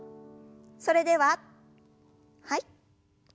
それでははい。